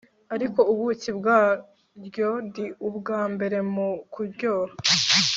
ariko ubuki bwarwo ni ubwa mbere mu kuryoha